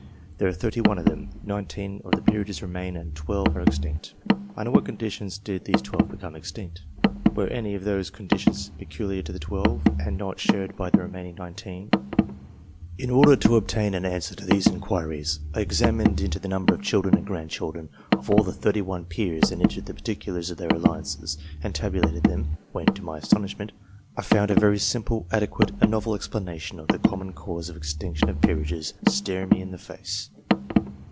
There are thirty one of them ; nineteen of the peerages remain and twelve are extinct. Under what conditions did these twelve become extinct ? Were any of those conditions peculiar to the twelve, and not shared by the remaining nineteen ? In order to obtain an answer to these inquiries, I examined into the number of children and grandchildren of all the thirty one peers, and into the particulars of their alliances, and tabulated them ; when, to my astonishment, I found a very simple, adequate, and novel explanation, of the common cause of extinction of peerages, stare me in the face.